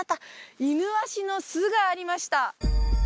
イヌワシの巣がありました